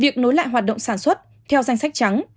việc nối lại hoạt động sản xuất theo danh sách trắng